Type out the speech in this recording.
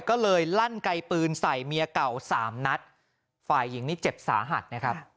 ก็เลยลั่นไกลปืนใส่เมียเก่าสามนัดฝ่ายหญิงนี่เจ็บสาหัสนะครับ